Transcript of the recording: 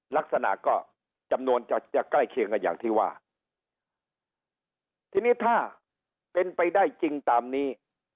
ลักษณะก็จำนวนจะจะใกล้เคียงกันอย่างที่ว่าทีนี้ถ้าเป็นไปได้จริงตามนี้